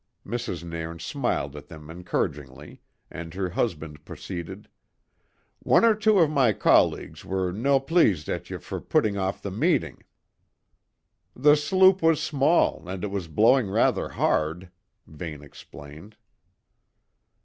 Mrs. Nairn smiled at them encouragingly, and her husband proceeded: "One or two of my colleagues were no pleased at ye for putting off the meeting." "The sloop was small, and it was blowing rather hard," Vane explained.